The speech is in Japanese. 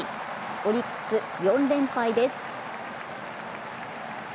オリックス４連敗です。